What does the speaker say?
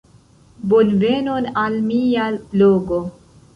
Bonvenon al mia blogo.